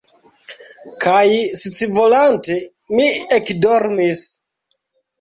Kaj scivolante, mi ekdormis.